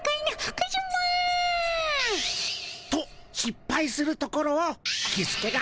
カズマ。としっぱいするところをキスケが。